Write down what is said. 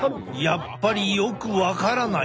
やっぱりよく分からない。